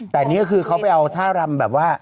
แต่นี่ก็คือเขาไปเอาท่ารำแบบว่า